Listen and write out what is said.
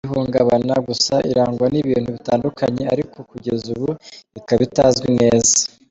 y’ihungabana gusa irangwa n’ibintu bitanduka ariko kugeza ubu ikaba itazwi neza